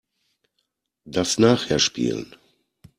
Das nachher spielen.